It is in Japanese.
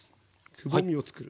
くぼみをつくる。